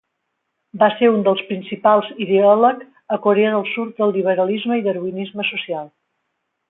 Va ser un dels principals ideòleg a Corea del Sud del liberalisme i darwinisme social.